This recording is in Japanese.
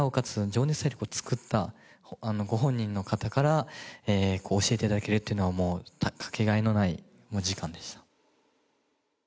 『情熱大陸』を作ったご本人の方から教えて頂けるっていうのはもうかけがえのない時間でした。